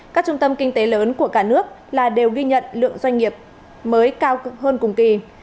các trung tâm kinh tế lớn của cả nước là đều ghi nhận lượng doanh nghiệp mới cao hơn cùng kỳ